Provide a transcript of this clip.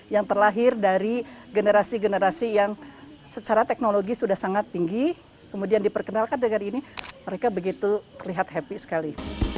yang terlahir dari generasi generasi yang secara teknologi sudah sangat tinggi kemudian diperkenalkan dengan ini mereka begitu terlihat happy sekali